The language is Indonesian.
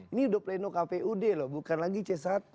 ini udah pleno kpud loh bukan lagi c satu